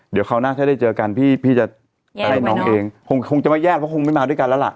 เดี๋ยวคราวหน้าถ้าได้เจอกันพี่พี่จะได้น้องเองคงจะไม่แยกเพราะคงไม่มาด้วยกันแล้วล่ะ